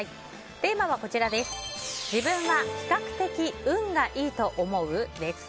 テーマは自分は比較的運がいいと思う？です。